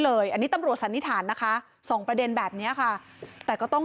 เลยอันนี้ตำรวจสันนิษฐานนะคะสองประเด็นแบบนี้ค่ะแต่ก็ต้อง